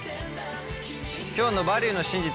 今日の「バリューの真実」